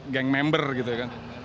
gang member gitu kan